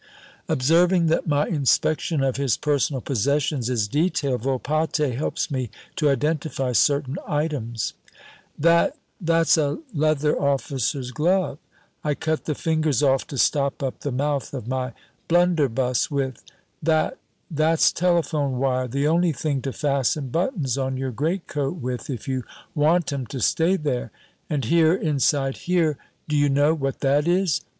Observing that my inspection of his personal possessions is detailed, Volpatte helps me to identify certain items "That, that's a leather officer's glove. I cut the fingers off to stop up the mouth of my blunderbuss with; that, that's telephone wire, the only thing to fasten buttons on your greatcoat with if you want 'em to stay there; and here, inside here, d'you know what that is?